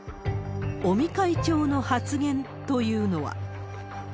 尾身会長の発言というのは。